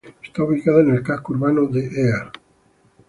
Está ubicada en el casco urbano de Ea.